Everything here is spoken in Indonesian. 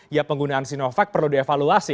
ya penggunaan sinovac perlu dievaluasi